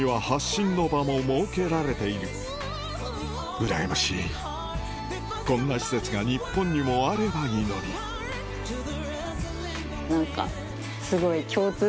うらやましいこんな施設が日本にもあればいいのに何か。